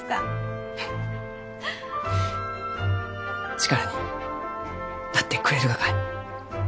力になってくれるがか？